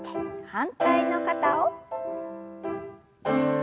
反対の肩を。